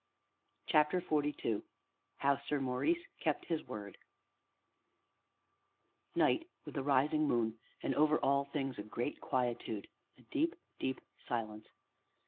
CHAPTER XLII HOW SIR MAURICE KEPT HIS WORD Night, with a rising moon, and over all things a great quietude, a deep, deep silence.